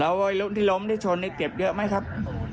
แล้วรถล้มที่ชนเก็บเยอะไหมครับ